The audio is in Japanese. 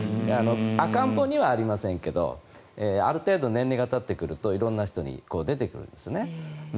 赤ん坊にはありませんがある程度、年齢がたってくると色んな人に出てくるんですね。